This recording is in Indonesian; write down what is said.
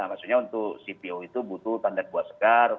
maksudnya untuk cpo itu butuh tandat buah segar